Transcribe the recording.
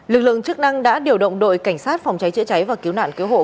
lực lượng chức năng đã điều động đội cảnh sát phòng cháy chữa cháy và cứu nạn cứu hộ